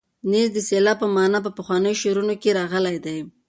نیز د سیلاب په مانا په پخوانیو شعرونو کې راغلی دی.